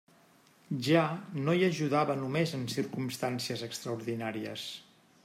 Ja no hi ajudava només en circumstàncies extraordinàries.